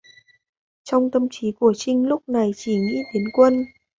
Trong tâm trí của Trinh lúc này chỉ nghĩ đến quân